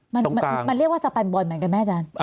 มันเรียกว่าสแปนบอลเหมือนกันไหมอาจารย์